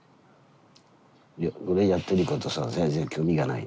俺やってることさ全然興味がないの。